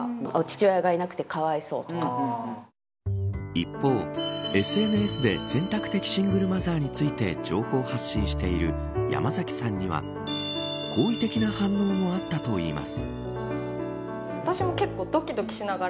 一方、ＳＮＳで選択的シングルマザーについて情報発信しているやまざきさんには好意的な反応もあったといいます。